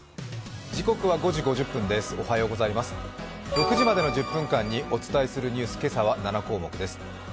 ６時までの１０分間にお伝えするニュース、今朝は７項目です。